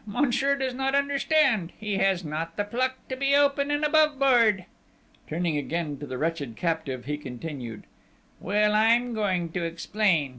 Monsieur does not understand!... He has not the pluck to be open and aboveboard!" Turning again to the wretched captive, he continued: "Well, I'm going to explain